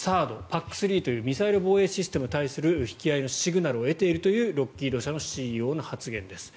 ＴＨＡＡＤＰＡＣ３というようなミサイル防衛システムに対する引き合いのシグナルを得ているというロッキード社のＣＥＯの話です。